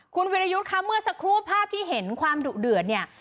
คุณวิรยุทธ์คะเมื่อสักครู่ภาพที่เห็นความดุเดือดเนี่ย